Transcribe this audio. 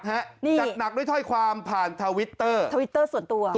จัดหนักด้วยถ้อยความผ่านทวิตเตอร์ทวิตเตอร์ส่วนตัว